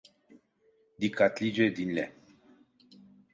Dikkatlice dinle.